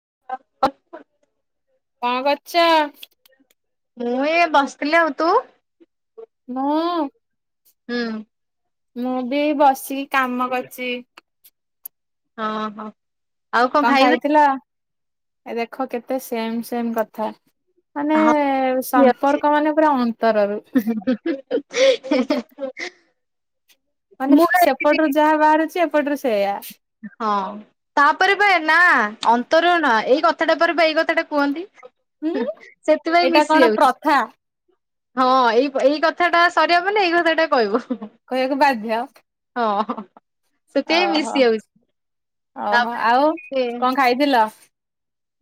[inaudible] କଁ କରୁଛ। ମୁଁ ଏ ବସିଥିଲି ଆଉ ତୁ। ମୁଁ। ହୁଁ। ମୁଁ ବି ବସିକି କାମ କରଛି। ହଁ ହଁ। ଆଉ କଣ ଖାଇବି? ଖାଇଥିଲ। ଏ ଦେଖ କେତେ ସେମ ସେମ କଥା। ମାନେ ହଁ ଅଛି ସମ୍ପର୍କ ମାନେ ପୁରା ଅନ୍ତରରୁ। ମାନେ ମୁଁ ଖାଇଥିଲି। ସେପଟରୁ ଯାହା ବାହାରୁଛି ଏପ ଏପଟ ରୁ ସେଇୟା। ହଁ ତାପରେ ବେ ନା। ଅନ୍ତର ନା ଏଇ କଥାଟା ପରେ ବା ଏଇ କଥାଟା କୁହନ୍ତି। ହୁଁ ସେଥିପାଇଁ ଏଇଟା ମିଶି କଣ ଯାଉଛି ପ୍ରଥା। ହଁ ଏଇ ଏଇ କଥାଟା ସରିବାକୁ ଗଲେ ଏଇ କଥାଟା କହିବ। କହିବାକୁ ବାଧ୍ୟ। ହଁ। ସେଥିପାଇଁ ଓହୋ ମିଶିଯାଉଛି। ଓହୋ ଆଉ କଣ ଖାଇଥିଲ।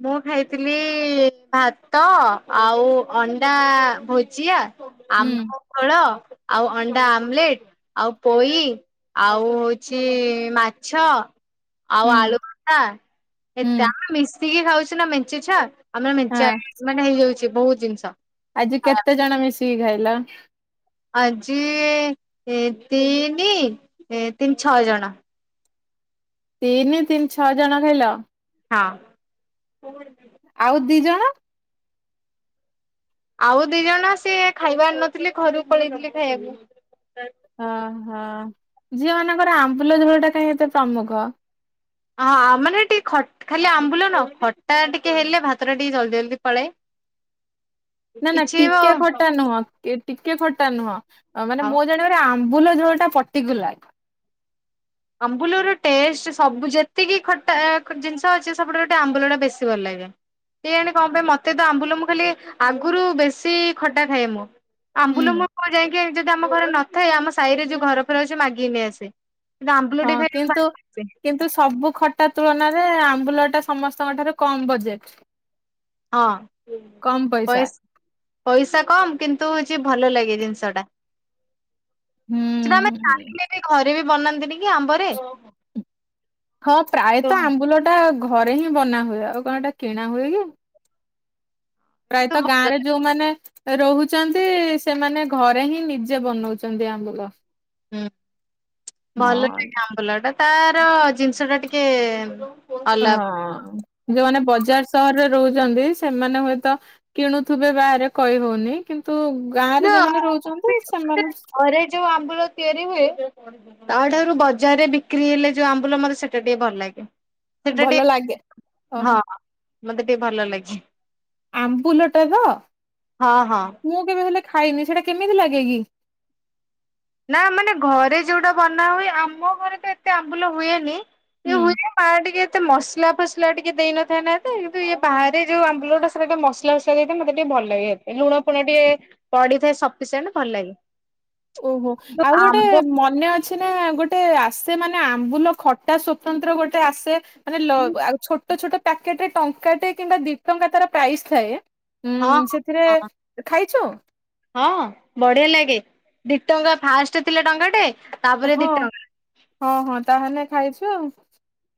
ମୁଁ ଖାଇଥିଲି ଭାତ ଆଉ ଅଣ୍ଡା ଭୁଜିଆ ହୁଁ ଆମ୍ବ ଫଳ। ଆଉ ଅଣ୍ଡା ଆମଲେଟ ଆଉ ପୋଇ ଆଉ ହଉଛି ମାଛ ଆଉ ଆଳୁ ହୁଁ ଭର୍ତା ହୁଁ ଏତିକ ଆଉ ସିକଏ ଖାଉଛି ନା ମେଞ୍ଚୁଛ [unintelligible] ଆମର ମେଞ୍ଚେ ହଁ ମାନେ ହେଇଯାଉଛି। ବହୁତ ଜିନିଷ। ଆଜି କେତେ ଜଣ ମିଶି କି ଖାଇଲ। ଆଜି ତିନି ଏ ତିନି ଛଅ ଜଣ। ତିନି ତିନି ଛଅ ଜଣ ଖାଇଲ ହଁ ଆଉ ଦି ଜଣ ଆଉ ଦି ଜଣ ସିଏ ଖାଇବାର ନଥିଲେ ଘରୁକୁ ପଳେଇଥିଲେ ଖାଇବାକୁ ଓହୋ ଝିଅ ମାନଙ୍କର ଆମ୍ବୁଲ ଝୋଳ ଟା କାହିଁ ଏତେ ପ୍ରମୁଖ ହଁ ମାନେ ଟିକେ ଖାଲି ଆମ୍ବୁଲ ନ ଖଟା ଟିକେ ହେଲେ ଭାତ ଟା ଟିକେ ଜଲଦି ଜଲଦି ପଳାଏ ନା ନା କିଛି ବି ଟିକେ ଖଟା ନୁହଁ କିଏ ଖଟା ନୁହଁ ଅ ମାନେ ଆଉ ମୋ ଜାଣିବାରେ ଆମ୍ବୁଲ ଝୋଳ ଟା ପର୍ଟିକୁଲାର। ଆମ୍ବୁଲର ଟେଷ୍ଟ ସବୁ ଯେତିକି ଖଟା ଜିନିଷ ଅଛି ସବୁଠାରୁ ଆମ୍ବୁଲଟା ବେଶୀ ଭଲ ଲାଗେ କେଜାଣି କଣ ପାଇଁ ମୋତେ ତ ଆମ୍ବୁଲ ମୁଁ ଖାଲି ଆଗରୁ ବେଶୀ ଖଟା ଖାଏ ମୁଁ। ହୁଁ। ଆମ୍ବୁଲ ମୁଁ ଯାଇକି ଯଦି ଆମ ଘରେ ନ କାଇ ଆମ ସାହି ରେ ଯୋଉ ଘର ଫର ଅଛି ମାଗିକି ନେଇ ଆସେ। କିନ୍ତୁ ଆମ୍ବୁଲ ଟିକେ ହଁ ଖାଇଲେ ଭାରି କିନ୍ତୁ ଖୁସି କିନ୍ତୁ ସବୁ ଖଟା ତୁଳନା [unintelligible] ଆମ୍ବୁଲ ଟା ସମସ୍ତଙ୍କ ଠାରୁ କମ ବଜେଟ। ହଁ ପଇସା। ପଇସା କମ କିନ୍ତୁ ହଉଛି ଭଲ ଲାଗେ ଜିନିଷ ଟା। ସେଟା ଆମେ ହୁଁ ଚାହିଲେ ବି ଘରେ ସେ ବି ବନାନ୍ତିନି କି ଆମ୍ବରେ ହଁ ପ୍ରାୟତଃ ତ ଆମ୍ବୁଲ ଟା ଘରେ ହିଁ ବନା ହୁଏ ଆଉ କଣ ଏଟା କିଣା ହୁଏ କି। କିନ୍ତୁ ପ୍ରାୟତଃ ଗାଁ ଭଲ ରେ ଯୋଉମାନେ ରହୁଛନ୍ତି ସେମାନେ ଘରେ ହିଁ ନିଜେ ବନଉଛନ୍ତି ଆମ୍ବୁଲ। ହୁଁ। ଭଲ ହଁ ସେ ଆମ୍ବୁଲ ଟା ତାର ଜିନିଷ ଟା ଟିକେ ହ ଅଲଗା। ଯୋଉମାନେ ବଜାର ସହରରେ ରହୁଛନ୍ତି ସେମାନେ ହୁଏତ କିଣୁଥିବେ ବାହାରେ କହି ହଉନି କିନ୍ତୁ ଗାଁ ରେ ନା ଯୋଉମାନେ ରହୁଛନ୍ତି ସେମାନେ ଘରେ ଯୋଉ ଆମ୍ବୁଲ ତିଆରି ହୁଏ ଆ ଠାରୁ ବଜାରରେ ବିକ୍ରି ହେଲେ ଯୋଉ ଆମ୍ବୁଲ ମତେ ସେଟା ଟିକେ ଭଲ ଲାଗେ। ସେଟା ଭଲ ଟିକେ ଲାଗେ ହଁ ଓହୋ। ମତେ ଟିକେ ଭଲ ଲାଗେ। ଆମ୍ବୁଲ ଟା ତ ହଁ ହଁ। ମୁଁ କେବେ ହେଲେ ଖାଇନି ସେଟା କେମିତି ଲାଗେ କିି? ନା ମାନେ ଘରେ ଯୋଉଟା ବନା ହୁଏ ଆମ ଘରେ ତ ଏତେ ଆମ୍ବୁଲ ହୁଏନି। ହୁଁ। ସେ ହୁଏ ମାଆ ଟିକେ ଏତେ ମସଲା ଫସଲା ଟିକେ ଦେଇନଥାଏ ନା ଏତେ କିନ୍ତୁ ଇଏ ବାହାରେ ଯୋଉ ଆମ୍ବୁଟା ସେଟା ଟିକେ ମସଲା ଫସଲା ଦେଇଥାଏ ମୋତେ ଟିକେ ଭଲ ଲାଗେେ ଲୁଣ ଫୁଣ ଟିକେ ପଡିଥାଏ ସଫିସିଣ୍ଟ ଭଲ ଲାଗେ। ଓହୋ ଯୋଉ ଆଉ ଗୋଟେ ଆମ୍ବ ମନେ ଅ ଅଛି ନା ଗୋଟେ ଆସେ ମାନେ ଆମ୍ବୁଲ ଖଟା ସ୍ଵତନ୍ତ୍ର ଗୋଟେ ଆସେ ମାନେ ଛୋଟ ଛୋଟ ପ୍ୟାକେଟ ରେ ଟଙ୍କାଟେ କିମ୍ବା ଦି ଟଙ୍କା ତାର ପ୍ରାଇସ୍ ଥାଏ। ଉଁ ହଁ ସେଥିରେ ହ ହ ଖାଇଛୁ? ହଁ ବଢିଆ ଲାଗେ। ଦି ଟଙ୍କା ଫାଷ୍ଟ ଥିଲା ଟଙ୍କା ଟେ ତାପରେ ଦି ହଁ ହଁ ହଁ ତାହେଲେ ଖାଇ ହ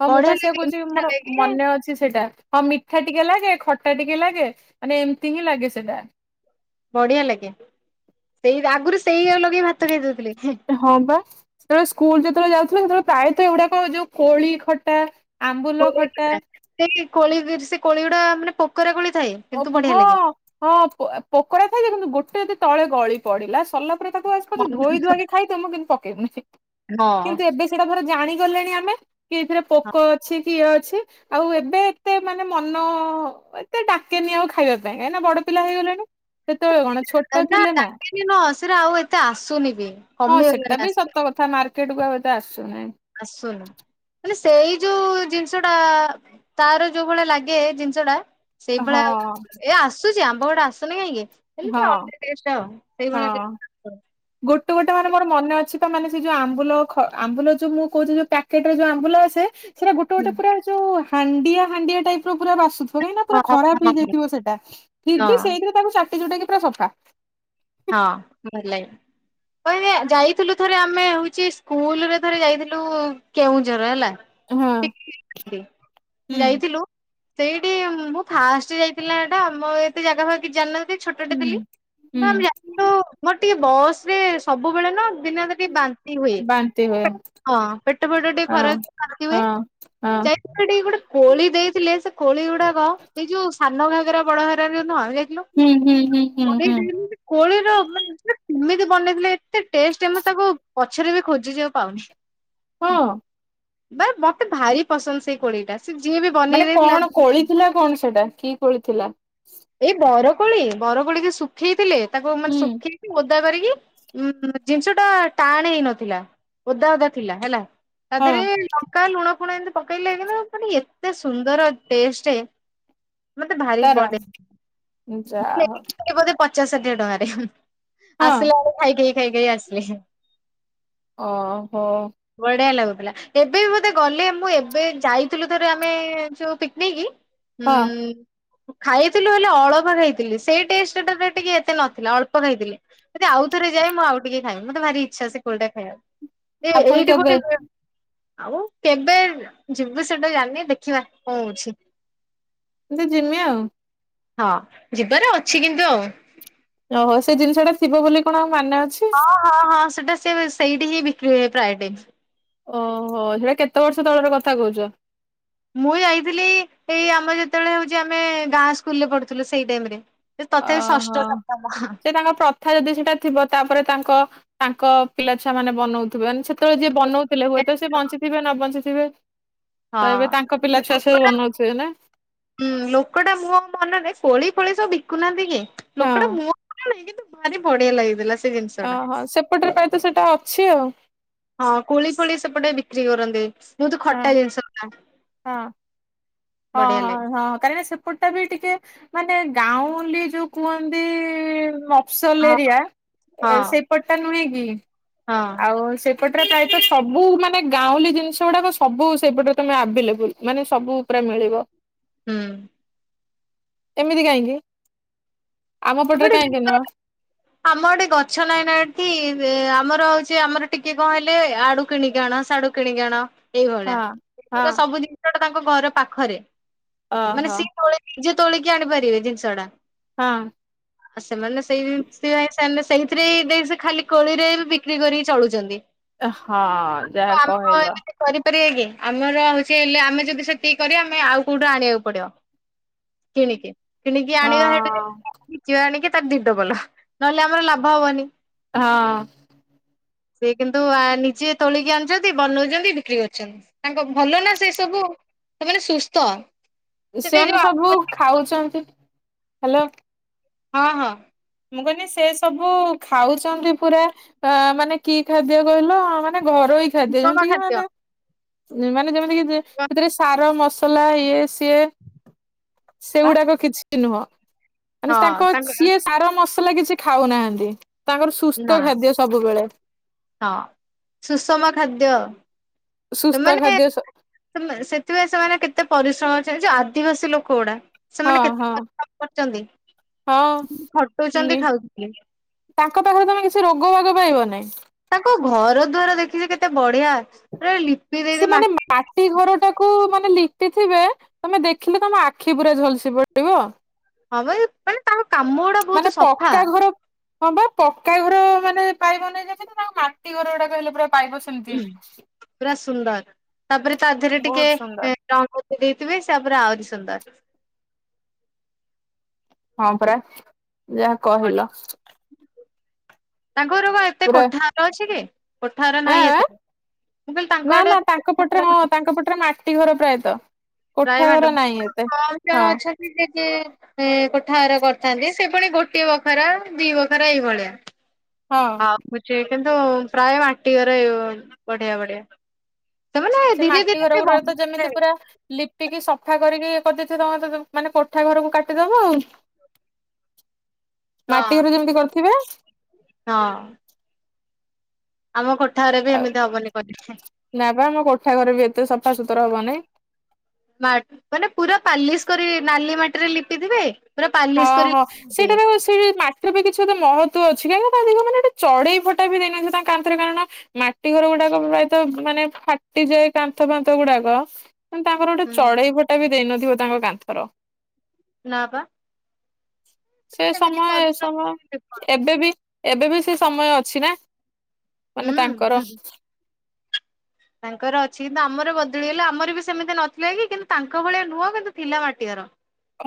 ହଁ ମୁଁ ବଢିଆ ପାସିବା ଲାଗେ କହୁଛି ମିଠା ମୋର ଲାଗେ। ମନେ ଅଛି ସେଇଟା ହଁ ମିଠା ଟିକେ ଲାଗେ ଖଟା ଟିକେ ଲାଗେ ମାନେ ଏମିତି ହିଁ ଲାଗେ ସେଟା ବଢିଆ ଲାଗେ ସେଇ ଆଗରୁ ସେଇୟା ଲଗେଇ ଭାତ ଖାଇଦଉଥିଲି ହଁ ବା ସେତେବେଳେ ସ୍କୁଲ ଯେତେବେଳେ ଯାଉଥିଲେ ସେତେବେଳେ ପ୍ରାୟତଃ ଏଗୁଡାକ ଯୋଉ କୋଳି ଖଟା ଆମ୍ବୁଲ ଖଟା କୋଡ଼ି ବି ସେ କୋଡ଼ି ଗୁଡା ମାନେ ପୋକୋରା ଗୋଳି ହଁ ହଁ ପୋକୋଡା ଥାଏ ଯେ କିନ୍ତୁ ଗୋଟେ ଯଦି ତଳେ ଗଳି ପଡିଲା ପରେ ତାକୁ ଆ ଧୋଇ ମନ- ଧଆକ ଖାଇ ତ ମୁଁ କିନ୍ତୁ ପକେଇବନି ହଁ କିନ୍ତୁ ଏବେ ସେଟାର ଜାି ଗଲେଣି ଆମେ କି ଏଥିରେ ହଁ। ପୋକ ଅଛି କିଏ ଅଛି ଆଉ ଏବେ ଏତେ ମାନେ ମନ ଏତୋ କେନି ଆଉ ଖାଇବା ପାଇଁ କାଁକ ନା ବ ପିଲ ହେଇଗଲାଣି ସେତେବେଳେ କଣ ଛୋଟ ଥିଲେ ନା ଡାକିନି ନୁହଁ ଆଉ ଏତେ ଆସୁନି ବି ହଁ କମିଗଲାଣି ସେଟା ବି ଆସ୍ତେ ସତ କଥା ମାର କେତଟୁ ଆେ ଆସୁନାହିଁ ଆସୁନି ମାନେ ସେଇ ଯୋଉ ଜିନିଷ ଟା ତାର ଯୋଉ ଭଳିଆ ଲାଗେ ଜିନିଷ ଟା ହଁ ସେଇଭଳିଆ ଏ ଆସୁ ସେ ଆମ୍ବ ଗୁଡ଼ ଆସୁନି କାହିଁକି ହଁ ଏତା ଦେଷ୍ଟ ସେଇଭଳିଆ କେ ହଁ। ଗୋଟେ ଗୋଟେ ମାନେ ମୋର ମନ ଅଛି ବା ମାନେ ସେ ଯୋଉ ଆମ୍ୁଲ ଆମ୍ବୁଲ ଯୋଉ ମୁଁ କହୁଛି ଯୋଉ ପ୍ୟାକେଟରେ ଯୋଉ ଆମ୍ବୁ ଆସେ ସେଟା ଗୋଟେ ଗୋଟେ ହୁଁ। ପୁରା ଯୋଉ ହାଣ୍ଡିଆ ହାଣ୍ଡିଆ ଟାଇପ ର ପୁରା ବାସୁ କହିଁି ନା ହଁ ପୁର ହଁ ହଁ ଖରାପ ହେଇଯାଇଥିବ ସେଟା ହଁ ହଁ ଫି ସେଇଥିରେ ତାକୁାଟି ଯୋଉଟା କେ ସା ହଁ ଭଲ କ ଯାଇଥିଲୁ ଥରେ ଆମେ ହଉଛି ସ୍କୁଲ ରେ ଥରେ ଯାଇଥିଲୁ କେଉଁଝର ହେଲା ହଁ ହୁଁ। ଯାଇଥିଲୁ ସେଇଠି ମୁଁ ଫାଷ୍ଟ ଯାଇଥିଲି ଏଇଟା ମୋ ଏତେ ଜାଗା ଫ କିଛି ଜାଣିିନଥିଲି ଛୋଟଟେ ହୁଁ ଥିଲି ହୁଁ ମୋର ଟିକେ ବସ ରେ ସବୁବେଳେ ନା ଦିନ ତ ଟିକେ ବାନ୍ତି ହୁଏ ବାନ୍ତି ହୁଏ ହଁ ପେଟ ଫଟ ଟିକେ ହଁ ଖରା ବାନ୍ତି ହୁଏ ହଁ ହଁ ଟିକେ ଗୋଟେ କୋଳି ଦେଇଥିଲେ ସେ କୋଳି ଗୁଡାକ ଏଇ ଯୋଉ ସାନ ଘାଗରା ବଡ ଘାଗର ନୁହ। ହୁଁ ହୁଁ ହୁଁ ହୁଁ ହୁଁ। କୋଳିର କେମିତି ବନେଇଥିଲେ ଏତେ ଟେଷ୍ଟ ମୁ ତାକୁ ପଛରେ ବି ଖୋଜିଛି ଆଉ ପାଉନି। ହଁ। ବା ମତେ ଭାରି ପସନ୍ଦ ସେଇ କୋଳିଟା। ସେ ଯିଏ ବି ବନେଇ ମାନେ କଣ ଦେଇଥିଲା କୋଳିଥିଲା କଣ ସେଟା କି କୋଳିଥିଲା? ଏଇ ବରକୋଳି ବରକୋଳି ଯୋଉ ଶୁଖେଇଥିଲେ। ତାକୁ ମାନେ ହୁଁ ଶୁଖେଇ ଓ ଓଦା କରିକି ଉ ଜିନିଷ ଟା ଟାଣ ହେଇ ନଥିଲା ଓଦା ଓଦା ଥିଲା ହେଲା। ହଁ ତଦେହରେ ଲଙ୍କା ଲୁଣ ପଣ ଏମିତି ପକେଇଲେ କିନ୍ତୁ ଏତେ ସୁନ୍ଦର ଟେଷ୍ଟ। ମତେ ଭାରି ତାର ପଡେ ଯା ହଉ ପଚାଶ ହଜାର ଟଙ୍କାରେ ହଁ ଆସିଲା ଆଡେ ଖାଇକିଆ ଖାଇ ଖାଇ ଆସିଲେ। ଓହୋ। ଲାଗୁଥିଲା ଏବେ ବି ବୋଧେ ଗଲେ ମୁଁ ଏବେ ଯାଇଥିଲୁ ଥରେ ଆମେ ପିକନିକ। ହଁ ହୁଁ। ଖାଇବି ଖାଇଥିଲୁ ହେଲେ ଅଳପ ଖାଇଥିଲି ସେଇ ଟେଷ୍ଟ ଟା ଟିକେ ଏତେ ନଥିଲା ଅଳପ ଖାଇଥିଲେ ଆଉଥରେ ଯା ମୁଁ ଆଉ ଟିକେ ଖାଇଵି। ମତେ ଭାରି ଇଚ୍ଛା ସେ କୋଲି ଟା ଖାଇବାକୁ। ଏ ଆଉ ପୁଣି ଏଇଟା କେବେ ଗୋଟେ ଆଉ କେବେ ଯିବୁ ସେଟା ଜାଣିନି ଦେଖିବା କଣଉଛି। ଏ ତେ ଯିମି ଆଉ ହଁ ଯିବାର ଅଛି କିନ୍ତୁ ଆଉ ଓହୋ ସେ ଜିନିଷ ଟା ଥିବ ବୋଲି କଣ ମାନେ ଅଛି। ହଁ ହଁ ହଁ। ତ ସେ ସାଇଟିି ହିଁ ବିିକ୍ରିହୁଏ ପ୍ରାୟ ଟଇମ୍। ଓହୋ ସେଇଟା କେତେ ବର୍ଷ ତଳର କଥା କହୁଛ। ମୁଁ ଯାଇଥିଲି ଏଇ ଆମର ଯେତେବେଳେ ହେଉଛି ଆମେ ଗାଁ ସ୍କୁଲରେ ପଢୁଥିଲୁ ସେଇ ଟାଇମରେ। ତଥାପି ଷଷ୍ଠ ଓହୋ ସପ୍ତମ ସେ ତାଙ୍କ ପ୍ରଥା ଯଦି ସେଇଟା ଥିବ ତାପରେ ତାଙ୍କ ତାଙ୍କ ପିଲାଛୁଆ ମାନେ ବନଉଥିବେ ସେ ଯେତବେଳେ ଯିଏ ହଁ ବନଉଥିଲେ ହୁଏ ସେ ବଞ୍ଚିଥିବେ ନ ବଞ୍ଚି [unintelligible] ହଁ ଲୋକଟା ବନଉଥିବେ ନା? ହୁଁ ଲୋକଟା ମୋହ ମନରେ କୋଳି ପଳେଇ ସ ବିକୁନାହାନ୍ତି କିଏ? ହଁ ଲୋକଟା ମୁହଁ [inaudible] ଭାରି ବଢିଆ ଲାଗିଥିଲା ସ୍ ଅହ ସେପଟରେ ପାଇଁ ତ ସେଟା ଅଛି ଆଉ ହଁ କୋଳି ଫୋଳି ସେପଟେ ବିକ୍ରି କରନ୍ତି। ବହୁତ ଖଟା ହଁ ଜିନିଷ ଟା ହଁ ହଁ ବଢିଆ ହଁ ଲାଗେ ହଁ କାହିଁକି ସେପଟ ଟା ବି ଟିକେ ମାନେ ଗାଉଁଲି ଯୋଉ କୁଅନ୍ତି ମ ସଲ୍ ହଁ ଏରିଆ ହଁ ସେପଟ ଟା ନୁହେଁ ହି। ହଁ ଆଉ ସେ ସେପଟରେ ପ୍ରାୟତ ସବୁ ମାନେ ଗାଉଁଲି ଜିନ୍ ସ୍ ସେଗୁଡାକ ସବୁ ସେପଟରେ ତମେ ଆଭେଲେବୁଲ ମାନେ ସବୁ ପ୍ରାୟ ମିଳିବ। ହୁଁ। ଏମିତି କାହିଁକି? ଆମପଟରେ ସେପଟେ କାଇଁକି ଜିନିଷ ନୁଅଁ? ଆମ ଆଡ଼େ ଗଛ ନାଇଁ ନା ଏଠି, ଆମର ହଉଛି ଆମର ଟିକେ କଣ ହେଲେ ଆଡୁ କିଣିକି ଆଣ ସାଡୁ କିଣିକି ଆଣ। ଏଇଭଳିଆ ହଁ ହଁ ତ ସବୁ ଜିନିଷ ଟା ତାଙ୍କ ଘର ପାଖରେ। ମାନେ ଓହୋ ସି [inaudible] ଯେ ତୋଳିକି ଆଣିପାରିବେ ଜିନିଷ ଟା। ହଁ। ଆ ସେମାନେ ସେଇ ସିଆଇସ୍ୟାନେ ସେହିଥିରେ ହି ଦେଇ ସେ ଖାଲି କୋଳିରେ ବି ବିକ୍ରି କରି ଚଳୁଛନ୍ତି। ହଁ ଯାହା କହିଲ। କରିବା କି ଆମର ହଉଛି ହେଲେ ଆମେ ଯଦି ସେତିକି କରିବା ଆମେ ଆଉ କୋଉଠୁ ଆଣିବାକୁ ପଡିବ କିଣିକି। କିଣିକି ହଁ ଆଣିବା ହେଟୁ ଯେ [inaudible] ଯେ ଆଣିକି ତା ଦି ଡବଲ। ନହେଲେ ଆମର ଲାଭ ହବନି। ହଁ। ସେ କିନ୍ତୁ ଆ ନିଜେ ତୋଳିକି ଆଣୁଛନ୍ତି, ବନଉଛନ୍ତି, ବିକ୍ରି କରୁଛନ୍ତି। ତାଙ୍କ ଭଲ ନା ସେ ସବୁ ସେମାନେ ସୁସ୍ଥ। ସେଠି ସେମାନେ ଯୋଉ ସବୁ ଖାଉଛନ୍ତି। ହାଲୋ। ହଁ ହଁ। ମୁଁ କହିଲି ସେ ସବୁ ଖାଉଛନ୍ତି ପୁରା ଅଁ ମାନେ କି ଖାଦ୍ୟ କହିଲ ମାନେ ଘରୋଇ ଖାଦ୍ୟ ସୁଷମ ଯେମିତି ଖାଦ୍ୟ। ମାନେ ଯେ ମାନେ ଯେମି ତିକି ଯେ ସେଥିରେ ସାର ମସ ସଲା ସେ ସେଗୁଡାକ କିଛି ଶଣୁହ ହଁ ତାଙ୍କ ମସଲା କିଛି ଖାଉନାହାନ୍ତି ତାଙ୍କର ନା ସୁସ୍ଥ ଖାଦ୍ୟ ସବୁବେଳେ ହଁ ସୁଷମ ଖାଦ୍ୟ। ସୁସ୍ଥ ସେମାନେ ଖାଦ୍ୟ ସ ସେଥିପାଇ ସେମାନେ କେତେ ପରିଶ୍ରମ ଚାଲିଛି ଆଦିବାସୀ ଲୋକ ଗୁଡା। ହଁ ସେମାନେ କେତେ ହଁ ପରିଶ୍ରମ କରୁଛନ୍ତି ଖଟଉଛନ୍ତି ହଁନି ଖାଉଛନ୍ତି ତାଙ୍କ ପାଖରେ ତମେ କିଛି ରୋଗ ଭାଗ ପାଇବନି। ନାଇଁସ୍। ତାଙ୍କ ଘର ଦ୍ବାର ଦେଖିଛି କେତେ ବଢିଆପୁରା ସେମାନେ ମାଟି ଘର ଟାକୁ ମାନେ ଲିପିଥିବେ ତମେ ଦେଖିଲେ ତମ ଆଖି ପୁରା ଝଲସି ପଡିବ। ହଁବା ମାନେ ତା କାମ ଗୁଡା ମାନେ ବହୁତ ସଫା। ପକ୍କା ଘର ହଁ ବା ପକ୍କା ଘର ମାନେ ପାଇବନି ଯେମି ତା ମାଟି ଘର ଗୁଡା କହିଲେ ପୁରା ପାଇବ ସେମିତି। ପୁରା ସୁନ୍ଦର। ତାପରେ ତା ଦେହରେ ଟିକେ ବହୁତ ସୁନ୍ଦର ରଙ୍ଗ ଦେଇଥିବେ ସେପରେ ଆହୁରି ସୁନ୍ଦର। ହଁ ପରା। ଯାହା ବଢିଆ। କହିଲ। ତାଙ୍କର ବା ଏତେ ପୁରା କୋଠାାର ଅଛି କି? କୋଠା ଘର ଆଁ ନାହିଁ ଏତେ ଆଁ ମୁଁ କହିଲି ତାଙ୍କ ନା ଆଡେ ନା ତାଙ୍କ କୋଠା ଘର ପଟରେ ହଁ ତାଙ୍କ ପଟରେ ମାଟି ଘର ପ୍ରାୟତଃ। କୋଠା ଘର ରାଇମାଣ୍ଡ ନାହିଁ ଏତେ। କମ ହଁ ଜଣ ଅଛନ୍ତି ସେ ଯିଏ କୋଠାାର କରିଥାନ୍ତି ସେ। ପୁଣି ଗୋଟଏ ବଖରା ଦି ବଖରା ଏଇଭଳିଆ ହଁ ମୁଛେ କିନ୍ତୁ ପ୍ରାୟ ମାଟି ଘରେ ବଢିଆ ବଢିଆ ସେମାନେ ସେ ଧୀରେ ମାଟି ଧୀରେ ଘର ସେ ଗୁଡ଼ାକ ତ ବନେଇବେ ଯେମିତି ପୁରା ଲିପିକି ସଫା କରିକି କରିଦେଇଛ ତମେ ତ ମାନେ କୋଠା ଘରକୁ କାଟିଦବ ଆଉ। ହଁ ମାଟି ଘର ଯେମିତି କରିଥିବେ। ହଁ। ଆମ କୋଠାରେ ବି ଆଉ ଏମିତି ହବନି ପରୀକ୍ଷା। ନା ବା ଆମ କୋଠା ଘରେ ବି ଏତେ ସଫାସତୁରା ହବନିଁ। ମାନେ ପୁରା ପାଲିସ କରି ନାଲି ମାଟିରେ ଲିପିଥିବେ। ପୁରା ପାଲିସ ହଁ କରି ହଁ ଲିପିଥିବେ। ସେଇଟାର ସେ ମାଟି ସତ ମହତ୍ଵ ଅଛି କାହିଁକି ତା ଦି ମାନେଟେ ଚଢେଇ ଫଟା ବି ଦେଇନାହାନ୍ତି ତାଙ୍କ କାଟନ୍ଥରେ କାରଣ ମାଟି ଘର ଗୁଡାକ ପ୍ରାୟତଃ ମାନେ ଫାଟିଯାଏ କାନ୍ଥ ଫାନ୍ଥ ଗୁଡାକ। ମ ତାଙ୍କର ଗୋଟେ ହୁଁ ଚଢେଇ ଫଟା ବି ଦେଇନଥିବ ତାଙ୍କ କାନ୍ଥର। ନା ବା। ସେ ସେମିତି ସମୟ ଏ ପରିଶ୍ରମ ସମୟ କରିକି ଲିପନ୍ତି ଏବେ ବି ଏବେ ବି ସେ ସମୟ ଅଛି ନା। ମାନେ ହୁଁ। ତାଙ୍କର ତାଙ୍କର ଅଛି କିନ୍ତୁ ଆମର ବଦଳିଗଲା ଆମର ବି ସେମିତି ନଥିଲା କି କିନ୍ତୁ ତାଙ୍କ ଭଳିଆ ନୁହଁ କିନ୍ତୁ ଥିଲା ମାଟିଆର।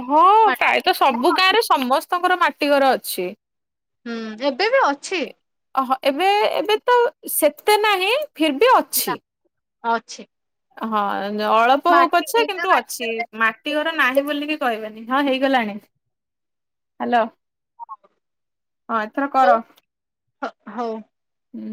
ହଁ ପ୍ରାୟତ ସବୁ ଗାଁରେ ସମସ୍ତେ ସ୍ତଙ୍କର ମାଟି ଘର ଅଛି। ହୁଁ ଏବେ ବି ଅଛି। ଓହୋ ଏବେ ଏବେ ତ ସେତେ ନାହିଁ। ଫିର ବି ଅଛି। ହଁ ଅଛି। ହଁ। ଅଳପ ହଉ ମାଟି ପଛ ବିନା କିନ୍ତୁ ମାଟି ଅଛି ଘରେ ମାଟି ନାହିଁ ବୋଲିକି କହିବେନି ହଁ ହେଇଗଲାଣି ହ୍ୟାଲୋ। ହଁ ଏଥର କର। ହ ହଉ। ହୁଁ।